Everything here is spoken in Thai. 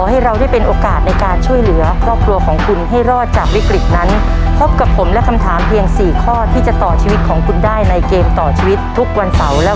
และโบนัสหลังตู้หมายเลขสองคือ